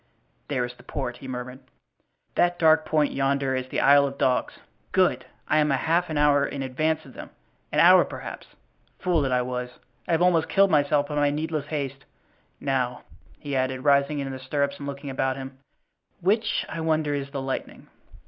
"There is the port," he murmured. "That dark point yonder is the Isle of Dogs. Good! I am half an hour in advance of them, an hour, perhaps. Fool that I was! I have almost killed myself by my needless haste. Now," he added, rising in the stirrups and looking about him, "which, I wonder, is the Lightning?"